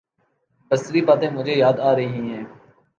بسری باتیں مجھے یاد آ رہی ہیں۔